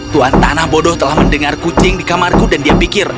tuan tanah bodoh telah mendengar kucing di kamarku dan dia pikir